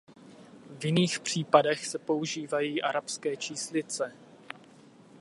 V jiných případech se používají arabské číslice.